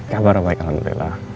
kabar baik alhamdulillah